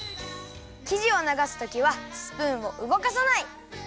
きじをながすときはスプーンをうごかさない！